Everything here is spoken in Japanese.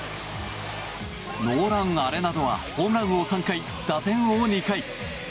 ノーラン・アレナドはホームラン王３回、打点王２回。